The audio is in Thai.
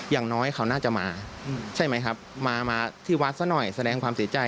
อย่างน้อยเขาน่าจะมาใช่ไหมครับมาที่วัดซะหน่อยแสดงความเสียใจ